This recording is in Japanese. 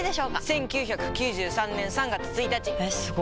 １９９３年３月１日！えすご！